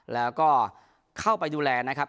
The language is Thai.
แล้วก็เข้าไปดูแลนะครับ